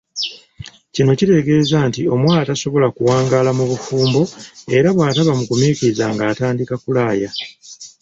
Kino kitegeeza nti omuwala tasobola kuwangaala mu bufumbo era bw’ataba mugumiikiriza ng’atandika kulaaya.